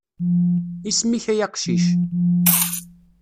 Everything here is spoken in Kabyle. Isem-ik ay aqcic.